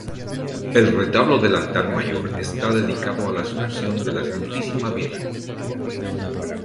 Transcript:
El retablo del altar mayor está dedicado a la asunción de la santísima virgen.